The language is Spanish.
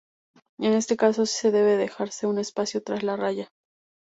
En este caso sí debe dejarse un espacio tras la raya.